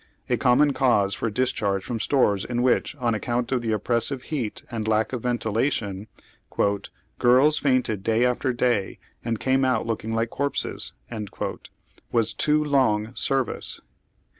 A common cause for discharge from stores in which, on account of the oppressive heat and lack of ventilation, " girls fainted day after day and came out looking like corpses," was too long service.